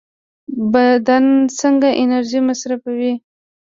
بدن څنګه انرژي مصرفوي؟